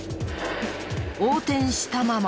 横転したまま。